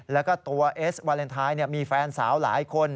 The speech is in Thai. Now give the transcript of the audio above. แล้วก็ตัวเอสวาเลนไทยมีแฟนสาวหลายคน